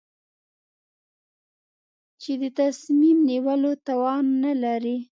چې د تصمیم نیولو توان نه لري.